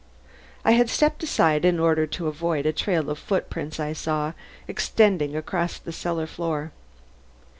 I had stepped aside in order to avoid a trail of footprints I saw extending across the cellar floor.